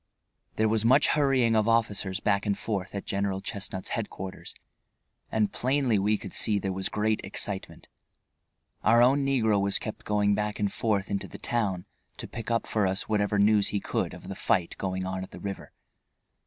There was much hurrying of officers back and forth at General Chestnut's headquarters, and plainly we could see there was great excitement. Our own negro was kept going back and forth into the town to pick up for us whatever news he could of the fight going on at the river.